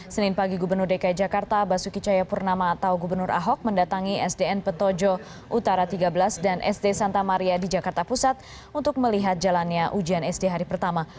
senin pagi gubernur dki jakarta basuki cayapurnama atau gubernur ahok mendatangi sdn petojo utara tiga belas dan sd santa maria di jakarta pusat untuk melihat jalannya ujian sd hari pertama